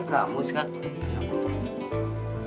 eh kamu iskandar